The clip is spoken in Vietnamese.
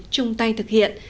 chung tay thực hiện